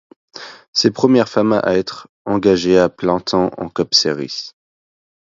C'est première femme à être engagée à plein temps en Cup Series.